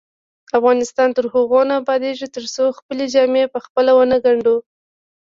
افغانستان تر هغو نه ابادیږي، ترڅو خپلې جامې پخپله ونه ګنډو.